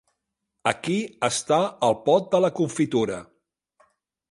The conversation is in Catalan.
Aquí està el pot de la confitura.